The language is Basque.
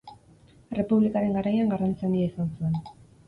Errepublikaren garaian garrantzi handia izan zuen.